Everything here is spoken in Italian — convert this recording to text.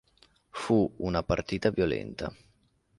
Fu una partita violenta.